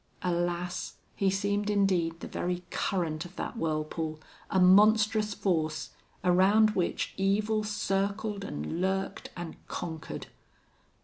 Alas! he seemed indeed the very current of that whirlpool, a monstrous force, around which evil circled and lurked and conquered.